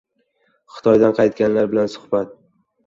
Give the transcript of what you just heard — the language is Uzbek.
Xitoydan qaytganlar bilan suhbat